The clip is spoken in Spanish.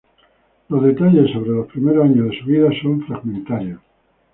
Los detalles sobre los primeros años de su vida son fragmentarios.